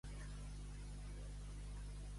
El que últim acaba, neteja la taula.